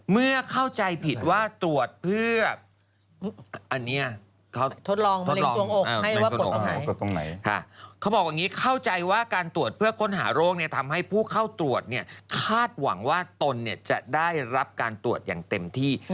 เมื่อเข้าใจผิดว่าตรวจให้ผู้เข้าตรวจคาดหวังว่าตนจะได้รับการตรวจอย่างเต็มที่